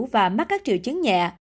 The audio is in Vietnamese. và mắc các triệu chứng nhẹ